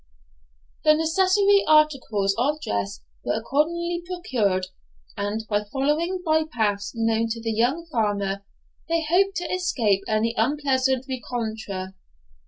The necessary articles of dress were accordingly procured, and, by following by paths known to the young farmer, they hoped to escape any unpleasant rencontre.